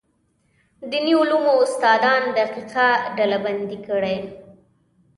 دیني علومو استادان دقیقه ډلبندي کړي.